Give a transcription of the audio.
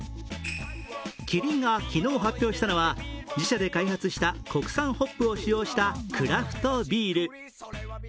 キリンが昨日発表したのは自社で開発した国産ホップを使用したクラフトビール。